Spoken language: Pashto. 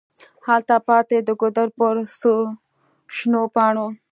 هلته پاتي د ګودر پر څوشنو پاڼو